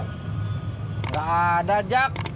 nggak ada jak